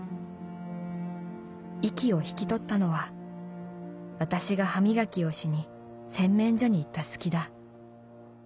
息を引き取ったのは私が歯磨きをしに洗面所に行った隙だ。